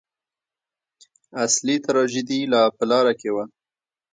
اصلي تراژیدي لا په لاره کې وه.